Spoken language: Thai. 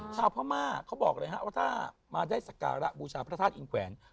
พม่าเขาบอกเลยฮะว่าถ้ามาได้สักการะบูชาพระธาตุอิงแขวน